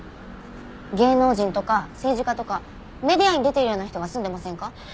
芸能人とか政治家とかメディアに出ているような人が住んでませんか？